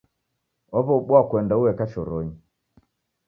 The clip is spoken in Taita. Waw'eobua kuenda ueka choronyi.